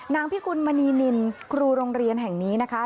พิกุลมณีนินครูโรงเรียนแห่งนี้นะคะ